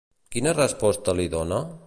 Quina resposta li dona?